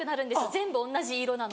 全部同じ色なので。